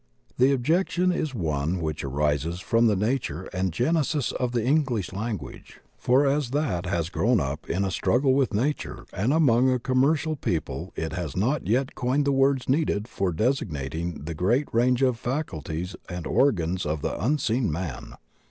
The objection is one which arises from the nature and genesis of the English language, for as that has grown up in a THE ASTRAL BODY 39 Struggle with nature and among a commercial people it has not as yet coined the words needed for desig nating the great range of faculties and organs of the unseen man.